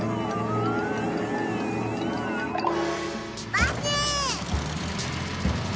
バス。